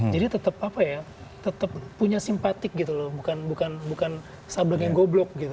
jadi tetap apa ya tetap punya simpatik gitu loh bukan bukan bukan sableng yang goblok gitu